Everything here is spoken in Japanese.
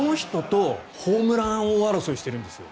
この人とホームラン王争いしてるんです。